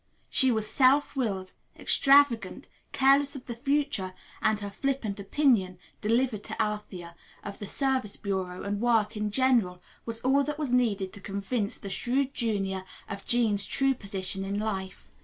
She was self willed, extravagant, careless of the future, and her flippant opinion, delivered to Althea, of the Service Bureau and work in general, was all that was needed to convince the shrewd junior of Jean's true position in life.